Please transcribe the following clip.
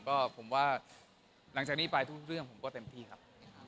ก็ผมว่าหลังจากนี้ไปทุกเรื่องผมก็เต็มที่ครับ